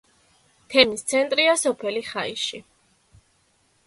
თემის ცენტრია სოფელი ხაიში.